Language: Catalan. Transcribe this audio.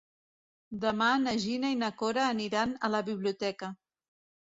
Demà na Gina i na Cora aniran a la biblioteca.